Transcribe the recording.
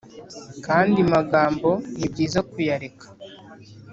kandi magambo nibyiza kuyareka